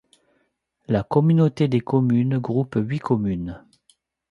La communauté de communes groupe huit communes.